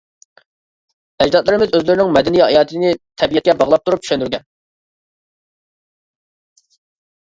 ئەجدادلىرىمىز ئۆزلىرىنىڭ مەدەنىي ھاياتىنى تەبىئەتكە باغلاپ تۇرۇپ چۈشەندۈرگەن.